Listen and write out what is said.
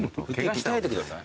鍛えてください。